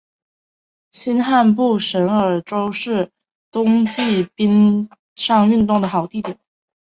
新罕布什尔州还是冬季冰上运动的好地点。